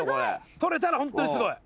捕れたらホントにすごい。